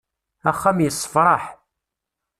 Axxam yessefraḥ.